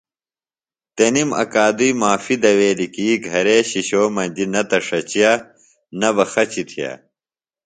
تنِم اکادُئی معافیۡ دویلیۡ کی گھرے شِشو مجیۡ نہ تہ ݜچِیہ نہ بہ خچیۡ تِھیہ۔